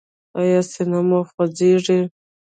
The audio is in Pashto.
ایا سینه مو خوږیږي؟